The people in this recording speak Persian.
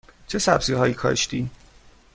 چه سبزی هایی کاشتی؟